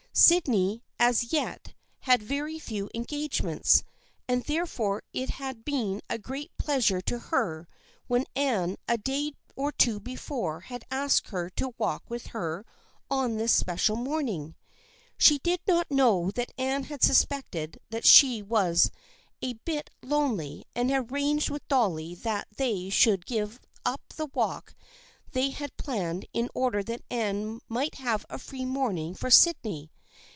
Syd ney as yet had very few engagements, and there fore it had been a great pleasure to her when Anne a day or two before had asked her to walk with her on this especial morning. She did not know that Anne had suspected that she was a bit THE FRIENDSHIP OF ANNE 67 lonely, and had arranged with Dolly that they should give up the walk they had planned in order that Anne might have a free morning for Sydney.